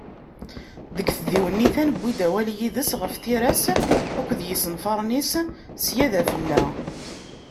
Deg tdiwennit-a, newwi-d awal yid-s ɣef tira-s akked yisenfaren-is sya d afella.